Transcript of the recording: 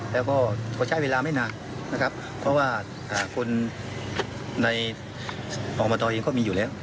แล้วก็ใช้เวลาไม่นานนะครับเพราะว่าคนในอบตเองก็มีอยู่แล้ว